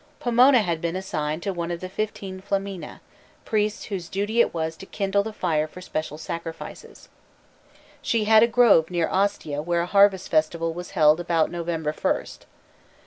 Pomona had been assigned one of the fifteen flamina, priests whose duty it was to kindle the fire for special sacrifices. She had a grove near Ostia where a harvest festival was held about November first.